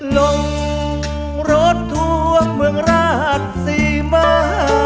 ลงรถทัวร์เมืองราชสีมา